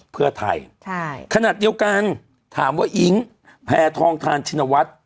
เพื่อไทยขนาดเดียวกันถามว่าอิ๊งแพทองทานชินวัฒน์